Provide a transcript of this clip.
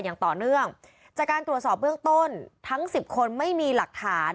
อย่างต่อเนื่องจากการตรวจสอบเบื้องต้นทั้งสิบคนไม่มีหลักฐาน